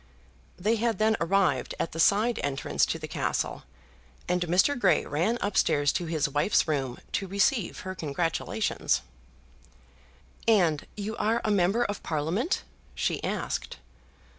They had then arrived at the side entrance to the Castle, and Mr. Grey ran up stairs to his wife's room to receive her congratulations. "And you are a Member of Parliament?" she asked.